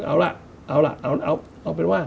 เอาล่ะเอาเป็นว่า